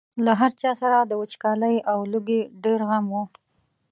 له هر چا سره د وچکالۍ او لوږې ډېر غم و.